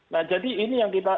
nah jadi ini yang kita